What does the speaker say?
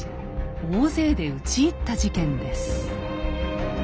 大勢で討ち入った事件です。